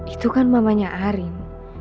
itu kan mamanya arin